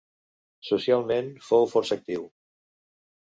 Socialment fou força actiu.